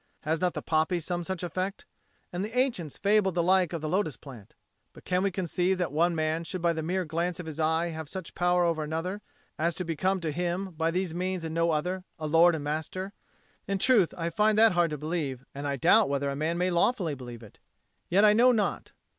Has not the poppy some such effect? And the ancients fabled the like of the lotus plant. But can we conceive that one man should by the mere glance of his eye have such power over another as to become to him, by these means and no other, a lord and master? In truth I find that hard to believe, and I doubt whether a man may lawfully believe it. Yet I know not.